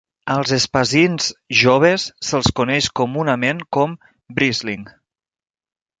Als espasins joves se'ls coneix comunament com "brisling".